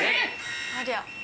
ありゃ。